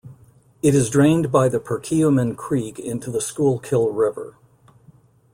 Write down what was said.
It is drained by the Perkiomen Creek into the Schuylkill River.